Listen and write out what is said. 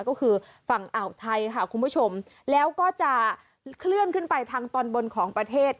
ก็คือฝั่งอ่าวไทยค่ะคุณผู้ชมแล้วก็จะเคลื่อนขึ้นไปทางตอนบนของประเทศ